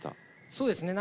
そうですね。